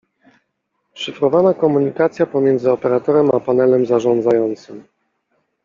Szyfrowana komunikacja pomiędzy Operatorem a panelem zarządzającym